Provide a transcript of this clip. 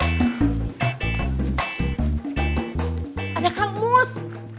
ada kang mus